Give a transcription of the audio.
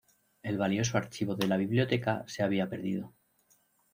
El valioso archivo de la biblioteca se había perdido.